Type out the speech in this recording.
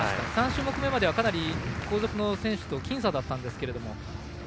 ３種目めまではかなり後続の選手と僅差だったんですけど。